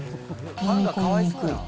飲み込みにくい。